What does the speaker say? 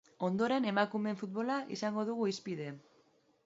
Ondoren emakumeen futbola izango dugu hizpide.